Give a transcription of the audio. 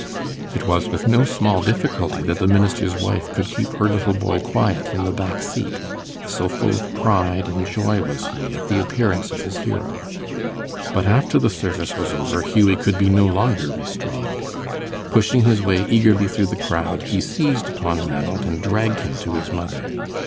It was with no small difficulty that the minister's wife could keep her little boy quiet in the back seat, so full of pride and joy was he at the appearance of his hero; but after the service was over, Hughie could be no longer restrained. Pushing his way eagerly through the crowd, he seized upon Ranald and dragged him to his mother.